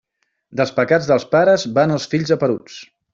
Dels pecats dels pares van els fills geperuts.